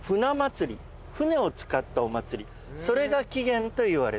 それが起源といわれている。